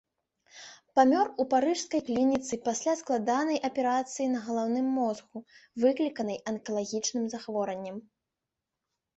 Памёр у парыжскай клініцы пасля складанай аперацыі на галаўным мозгу, выкліканай анкалагічным захворваннем.